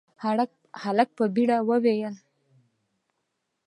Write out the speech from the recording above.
هلک په بيړه وويل: